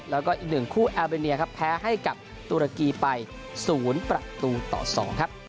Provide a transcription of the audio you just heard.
แล้วก็อีกหนึ่งคู่อัลเบเนียครับแพ้ให้กับตุรกีไป๐๒ครับ